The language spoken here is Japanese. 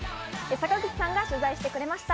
坂口さんが取材してくれました。